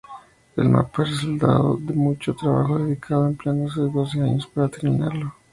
El mapa es el resultado de mucho trabajo dedicado, empleándose doce años para terminarlo.